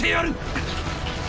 くっ！